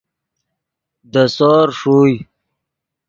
دے سور ݰوئے